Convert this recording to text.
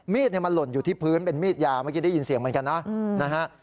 มีดมันหล่นอยู่ที่พื้นเป็นมีดยาเมื่อกี้ได้ยินเสียงเหมือนกันนะนะฮะ